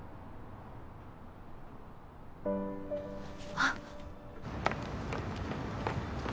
あっ。